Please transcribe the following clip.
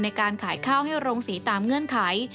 ในการขายข้าวให้โรงสีตามเงื่อนไข